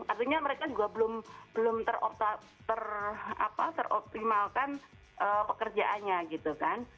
artinya mereka juga belum teroptimalkan pekerjaannya gitu kan